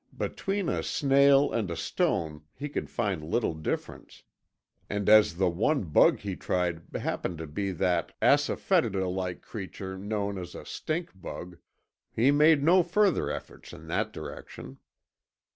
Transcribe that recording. Between a snail and a stone he could find little difference, and as the one bug he tried happened to be that asafoetida like creature known as a stink bug he made no further efforts in that direction.